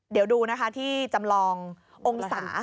เดี๋ยวดูนะคะที่จำลององศา